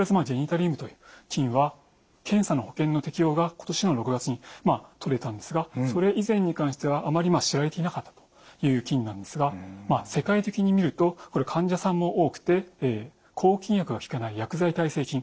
タリウムという菌は検査の保険の適用が今年の６月に取れたんですがそれ以前に関してはあまり知られていなかったという菌なんですが世界的に見るとこれ患者さんも多くて抗菌薬が効かない薬剤耐性菌。